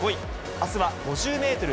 あすは５０メートル